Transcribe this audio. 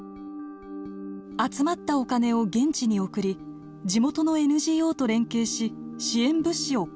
集まったお金を現地に送り地元のＮＧＯと連携し支援物資を購入。